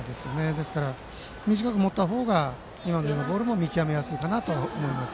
ですから、短く持った方が今のようなボールも見極めやすいと思います。